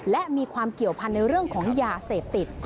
และมีความเกี่ยวพันธุ์ในเรื่องของยาเสพติด